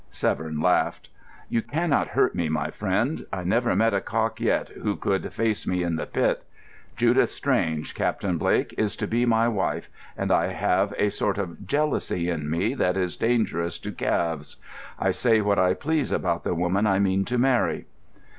Severn laughed. "You cannot hurt me, my friend. I never met a cock yet who could face me in the pit. Judith Strange, Captain Blake, is to be my wife, and I have a sort of jealousy in me that is dangerous to calves. I say what I please about the woman I mean to marry."